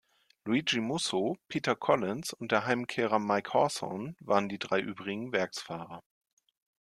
Luigi Musso, Peter Collins und der Heimkehrer Mike Hawthorn waren die drei übrigen Werksfahrer.